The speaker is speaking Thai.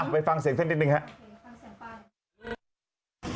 ไปฟังเสียงท่านนิดหนึ่งครับ